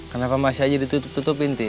kenapa masih aja ditutup tutupin